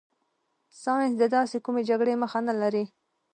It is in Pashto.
ساینس د داسې کومې جګړې مخه نه لري.